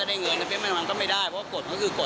แต่ถ้าอยากจะตีเขาก็ไม่ได้อย่างนี้หรอก